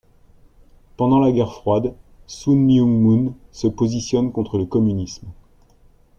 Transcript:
Pendant la guerre froide, Sun Myung Moon se positionne contre le communisme.